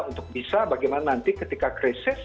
untuk bisa bagaimana nanti ketika krisis